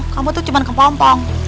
kamu tuh cuma kepompong